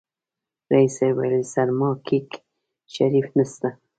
ريس صيب ويلې سرماکيک شريف نسته.